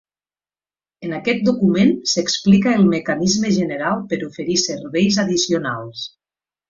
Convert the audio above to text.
En aquest document s'explica el mecanisme general per oferir serveis addicionals.